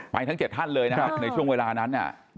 ทั้ง๗ท่านเลยนะครับในช่วงเวลานั้น